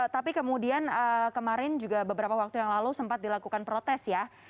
tapi kemudian kemarin juga beberapa waktu yang lalu sempat dilakukan protes ya